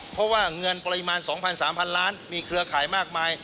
เพราะว่าเงินปริมาณ๒๐๐๓๐๐ล้านมีเครือข่ายมากมาย